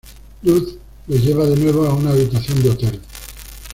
Lutz le lleva de nuevo a una habitación de hotel.